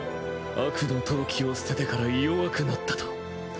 悪の闘気を捨ててから弱くなったと。